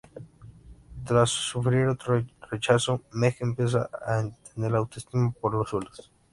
Tras sufrir otro rechazo, Meg empieza a tener la autoestima por los suelos.